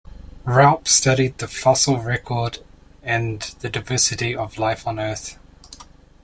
Raup studied the fossil record and the diversity of life on Earth.